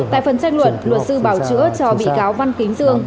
tại phần tranh luận luật sư bảo chữa cho bị cáo văn kính dương